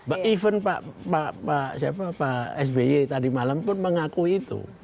even pak sby tadi malam pun mengaku itu